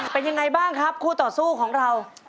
เป็นยังไงบ้างครับคู่ต่อสู้ของเรา